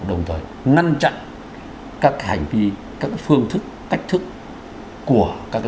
đồng thời ngăn chặn các hành vi các phương thức cách thức của các đối tượng này